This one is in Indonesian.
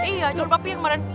iya yang kemarin